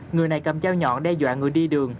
người này cầm dao nhọn đe dọa người đi đường